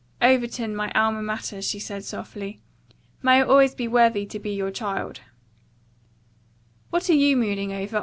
"Overton, my Alma Mater," she said softly. "May I be always worthy to be your child." "What are you mooning over?"